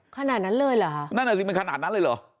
ขนาดนั้นเลยเหรอฮะนั่นอ่ะสิมันขนาดนั้นเลยเหรอ